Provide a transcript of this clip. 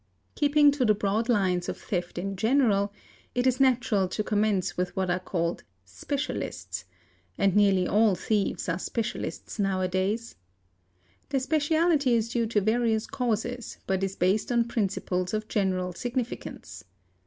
_ Keeping to the broad lines of thefts in general, it is natural to commence with what are called "specialists''—and nearly all thieves are specialists now a days. Their speciality is due to various causes but is based on principles of general significance.